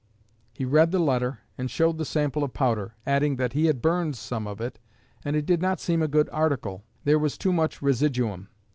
He read the letter and showed the sample of powder, adding that he had burned some of it and it did not seem a good article; there was too much residuum.